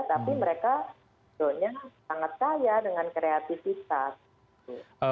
tapi mereka sebetulnya sangat kaya dengan kreativitas